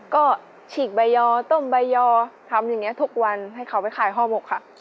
ก็ฉีกใบยอต้มใบยอทำอย่างนี้ทุกวันให้เขาไปขายห่อหมกค่ะ